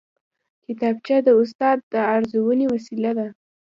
کتابچه د استاد د ارزونې وسیله ده